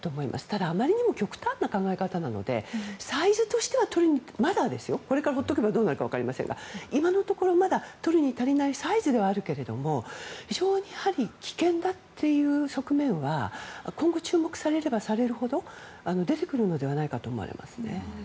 ただ、あまりにも極端な考え方なのでサイズとしてはこれから放っておけばどうなるか分かりませんが今のところ、まだ取るに足らないサイズではあるけど非常に危険だという側面は今後、注目されればされるほど出てくるのではないかと思われますね。